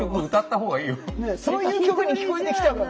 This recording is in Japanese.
そういう曲に聞こえてきちゃうから。